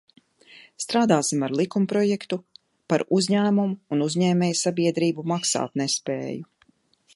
"Strādāsim ar likumprojektu "Par uzņēmumu un uzņēmējsabiedrību maksātnespēju"."